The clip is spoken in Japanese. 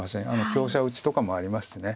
香車打ちとかもありますしね。